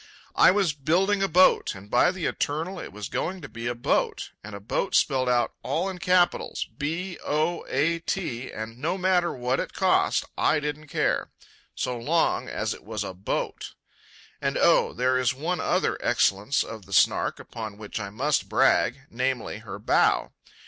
I was building a boat, and by the eternal it was going to be a boat, and a boat spelled out all in capitals—B—O—A—T; and no matter what it cost I didn't care. So long as it was a B O A T. And, oh, there is one other excellence of the Snark, upon which I must brag, namely, her bow.